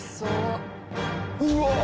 うわ！